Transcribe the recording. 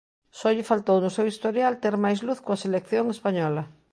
Só lle faltou no seu historial ter máis luz coa selección española.